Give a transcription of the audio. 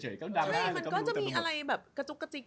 ใช่มันก็จะมีอะไรแบบกระจุกกระจิก